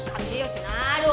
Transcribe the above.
kamu ini aduh